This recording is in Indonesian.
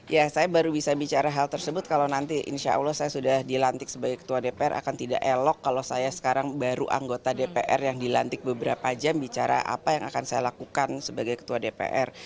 ya saya baru bisa bicara hal tersebut kalau nanti insya allah saya sudah dilantik sebagai ketua dpr akan tidak elok kalau saya sekarang baru anggota dpr yang dilantik beberapa jam bicara apa yang akan saya lakukan sebagai ketua dpr